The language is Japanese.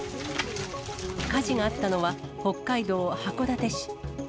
火事があったのは、北海道函館市。